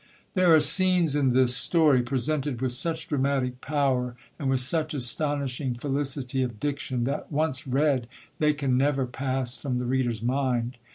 There are scenes in this story, presented with such dramatic power, and with such astonishing felicity of diction, that, once read, they can never pass from the reader's mind.